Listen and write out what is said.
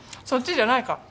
そっちじゃないか。